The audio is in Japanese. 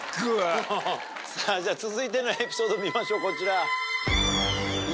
さぁ続いてのエピソード見ましょうこちら。